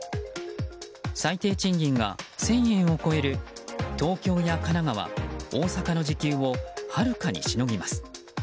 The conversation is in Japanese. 最低賃金が１０００円を超える東京や神奈川、大阪の時給をはるかにしのぎます。